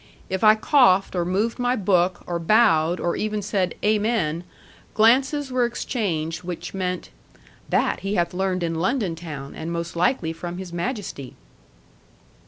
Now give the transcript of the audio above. If I coughed, or moved my book, or bowed, or even said 'Amen,' glances were exchanged which meant 'That he hath learned in London town, and most likely from His Majesty.'